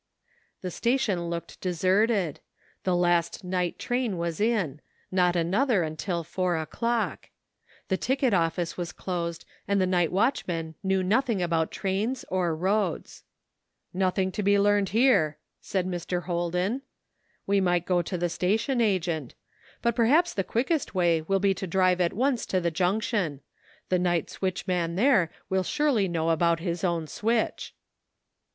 The station looked deserted. The last night train was in ; not another till four o'clock. The ticket office was closed, and the night watchman knew nothing about trains or roads. 66 ''WHAT COULD HAPPEN?'* " Nothing to be learned here," said Mr. Hol den ;" we might go to the station agent. But perhaps the quickest way will be to drive at once to the Junction. The night switchman there will surely know about his own switch."